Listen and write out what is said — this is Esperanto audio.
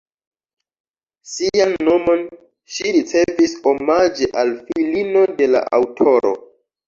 Sian nomon ŝi ricevis omaĝe al filino de la aŭtoro.